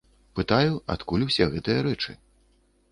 Пытаю, адкуль усе гэтыя рэчы.